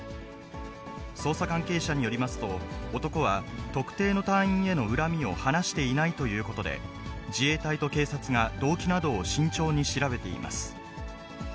捜査関係者によりますと、男は特定の隊員への恨みを話していないということで、自衛隊と警察が動機などを慎重に調べています。